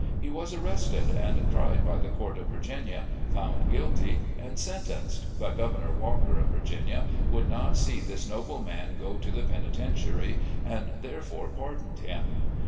He was arrested, and tried by the Court of Virginia, found guilty, and sentenced, but Governor Walker, of Virginia, would not see this noble man go to the penitentiary, and therefore pardoned him.